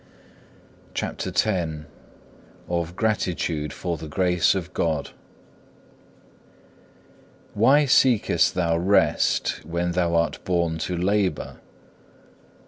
CHAPTER X Of gratitude for the Grace of God Why seekest thou rest when thou art born to labour?